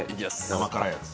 甘辛いやつ。